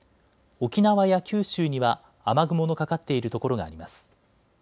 沖縄や九州には雨雲のかかっている所があります。